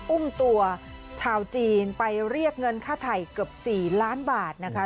อุ้มตัวชาวจีนไปเรียกเงินค่าไถ่เกือบ๔ล้านบาทนะคะ